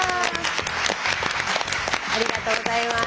ありがとうございます。